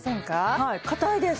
はいかたいです